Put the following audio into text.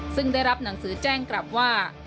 ซึ่งได้รับหนังสือแจ้งกลับว่า